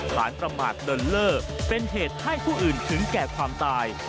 ประมาทเดินเล่อเป็นเหตุให้ผู้อื่นถึงแก่ความตาย